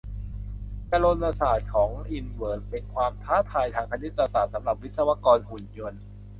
จลนศาสตร์ของอินเวอร์สเป็นความท้าทายทางคณิตศาสตร์สำหรับวิศวกรหุ่นยนต์